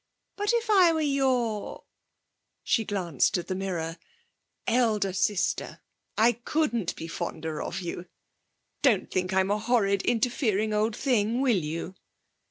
But if I were your' she glanced at the mirror 'elder sister, I couldn't be fonder of you. Don't think I'm a horrid, interfering old thing, will you?'